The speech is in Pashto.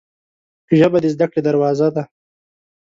ژبه د زده کړې دروازه ده